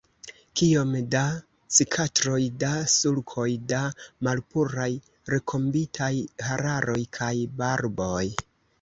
Kiom da cikatroj, da sulkoj, da malpuraj nekombitaj hararoj kaj barboj!